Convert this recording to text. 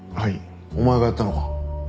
お前がやったのか？